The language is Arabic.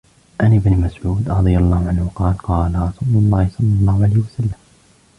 عنْ ابنِ مسعودٍ رَضِي اللهُ عَنْهُ قالَ: قالَ رسولُ اللهِ صَلَّى اللهُ عَلَيْهِ وَسَلَّمَ: